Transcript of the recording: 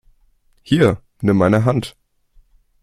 Hier, nimm meine Hand!